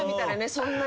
そんなに。